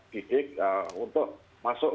didik untuk masuk